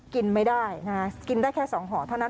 กินไม่ได้กินได้แค่๒ห่อเท่านั้น